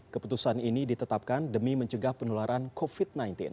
keputusan ini ditetapkan demi mencegah penularan covid sembilan belas